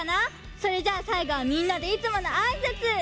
それじゃあさいごはみんなでいつものあいさつ！